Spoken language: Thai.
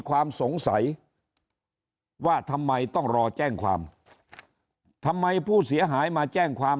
ความสงสัยว่าทำไมต้องรอแจ้งความทำไมผู้เสียหายมาแจ้งความ